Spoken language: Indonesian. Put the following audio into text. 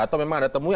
atau memang ada temui